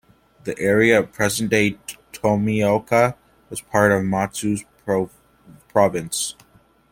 The area of present-day Tomioka was part of Mutsu Province.